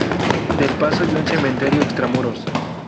Del Paso y un cementerio extramuros.